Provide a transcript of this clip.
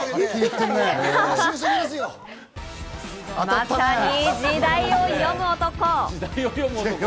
まさに時代を読む男。